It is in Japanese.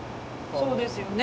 そうですよね。